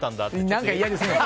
何か嫌ですね。